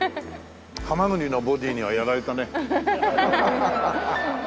ハマグリのボディーにはやられたね。